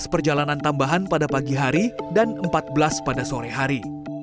dua belas perjalanan tambahan pada pagi hari dan empat belas pada sore hari